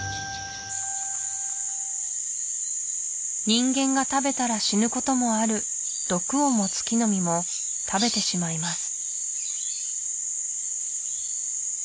人間が食べたら死ぬこともある毒を持つ木の実も食べてしまいます